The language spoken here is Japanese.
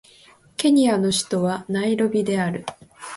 ケニアの首都はナイロビである